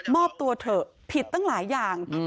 อบตัวเถอะผิดตั้งหลายอย่าง